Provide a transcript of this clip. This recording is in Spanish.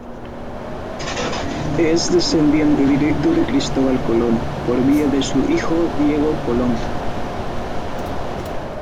Es descendiente directo de Cristóbal Colón por vía de su hijo, Diego Colón.